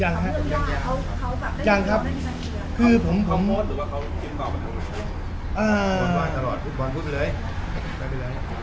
ห้ะยังนะยังนะยังครับคือผมผมเอ่อเอาไว้